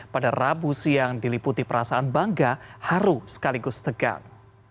pada rabu siang diliputi perasaan bangga haru sekaligus tegang